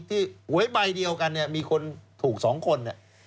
ที่ไว้ใบเดียวกันมีคนถูก๒คน